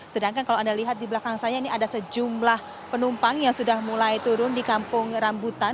sedangkan kalau anda lihat di belakang saya ini ada sejumlah penumpang yang sudah mulai turun di kampung rambutan